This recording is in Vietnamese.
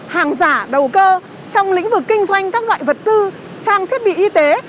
hàng giả đầu cơ trong lĩnh vực kinh doanh các loại vật tư trang thiết bị y tế